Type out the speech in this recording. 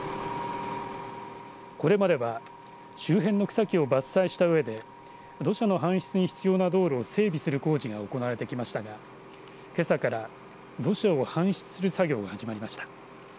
これまでは周辺の草木を伐採したうえで土砂の搬出に必要な道路を整備する道路工事が行われてきましたがけさから土砂を搬出する作業が始まりました。